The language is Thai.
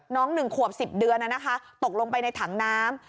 น้องหนึ่งขวบสิบเดือนน่ะนะคะตกลงไปในถังน้ำ